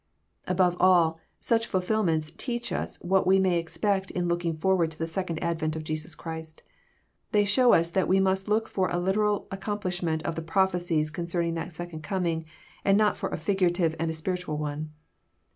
Above all, such fulfilments teach us what we may expect in looking forward to the second advent of Jesus Christ. They show us that we must look for a literal accomplishment of the prophecies con cerning that second coming, and not for a figurative and a spiritual one.